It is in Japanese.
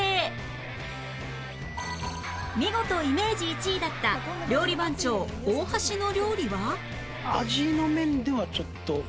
見事イメージ１位だった料理番長大橋の料理は